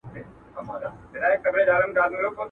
چي له ښځي څخه يې بازاري توکي جوړ کړي دي